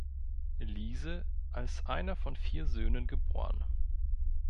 Liese als einer von vier Söhnen geboren.